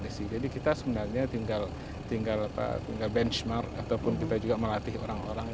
jadi kita sebenarnya tinggal benchmark ataupun kita juga melatih orang orang